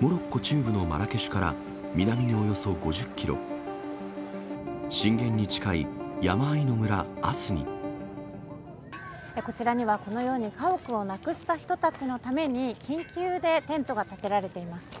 モロッコ中部のマラケシュから、南におよそ５０キロ、こちらにはこのように、家屋をなくした人たちのために、緊急でテントが建てられています。